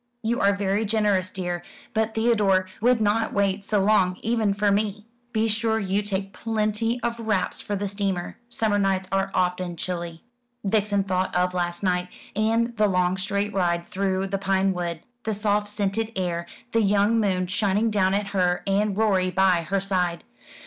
"You are very generous, dear; but Theodore would not wait so long, even for me. Be sure you take plenty of wraps for the steamer. Summer nights are often chilly." Vixen thought of last night, and the long straight ride through the pine wood, the soft scented air, the young moon shining down at her, and Rorie by her side.